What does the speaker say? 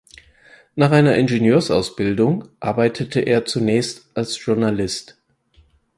Nach einer Ingenieursausbildung arbeitete er zunächst als Journalist.